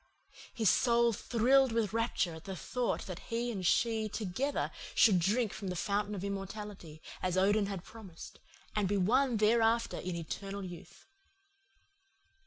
His soul thrilled with rapture at the thought that he and she together should drink from the fountain of immortality, as Odin had promised, and be one thereafter in eternal youth.